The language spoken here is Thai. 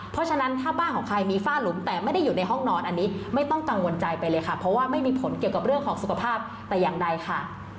เพราะฉะนั้นถ้าบ้านของใครมีฝ้าหลุมแต่ไม่ได้อยู่ในห้องนอนอันนี้ไม่ต้องกังวลใจไปเลยค่ะเพราะว่าไม่มีผลเกี่ยวกับเรื่องของสุขภาพแต่อย่างใดค่ะ